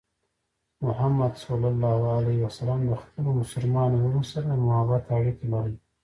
محمد صلى الله عليه وسلم د خپلو مسلمانو وروڼو سره د محبت اړیکې لرلې.